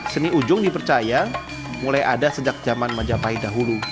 seni ujung dipercaya mulai ada sejak zaman majapahit dahulu